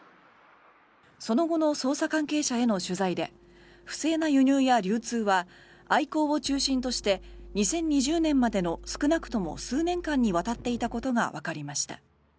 その後の捜査関係者への取材で不正な輸入や流通はアイコーを中心として２０２０年までの少なくとも数年間にわたっていたことがわかりました。